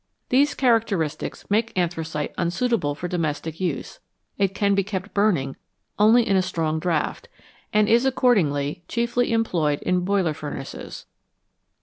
These characteristics make anthracite unsuit able for domestic use ; it can be kept burning only in a strong draught, and is accordingly chiefly employed in boiler furnaces.